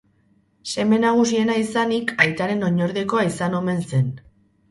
Seme nagusiena izanik aitaren oinordekoa izan omen zen.